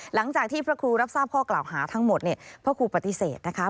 หลังจากที่พระครูรับทราบข้อกล่าวหาทั้งหมดเนี่ยพระครูปฏิเสธนะคะ